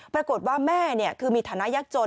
ปรากฏว่าแม่มีฐานะยักษ์จน